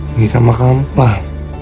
ini sama kamu lah